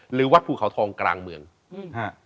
หรือวัดภูเขาทองกลางความจงกับเมือง